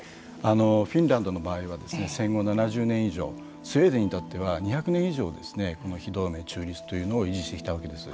フィンランドの場合は戦後７０年以上スウェーデンに至っては２００年以上非同盟中立というのを維持してきたわけです。